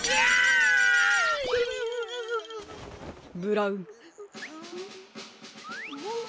ブラウン。